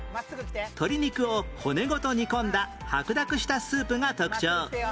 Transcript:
鶏肉を骨ごと煮込んだ白濁したスープが特徴